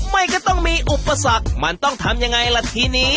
ไม่ต้องมีอุปสรรคมันต้องทำยังไงล่ะทีนี้